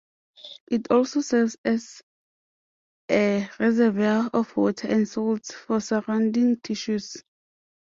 It also serves as a reservoir of water and salts for surrounding tissues.